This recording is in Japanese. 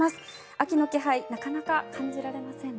秋の気配なかなか感じられませんね。